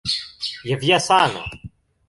Je via sano